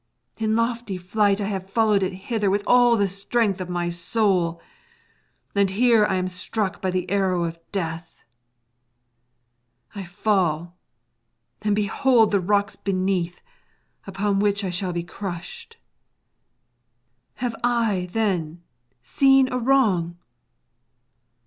In lofty flight I have followed it hither with all the strength of my soul, and here I am struck by the arrow of death. I fall, and behold the rocks beneath, upon which I shall be crushed. Have I, then, seen a wrong?